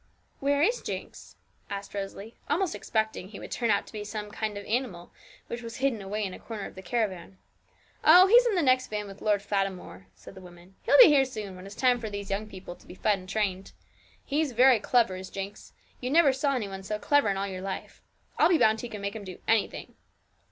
'Where is Jinx?' asked Rosalie, almost expecting he would turn out to be some kind of animal which was hidden away in a corner of the caravan. 'Oh, he's in the next van, with Lord Fatimore,' said the woman; 'he'll be here soon, when it's time for these young people to be fed and trained. He's very clever, is Jinx; you never saw any one so clever in all your life. I'll be bound he can make 'em do anything.